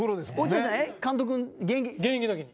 古田：現役の時に。